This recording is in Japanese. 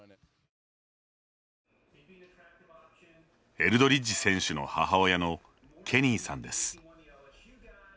エルドリッジ選手の母親のケニーさんです。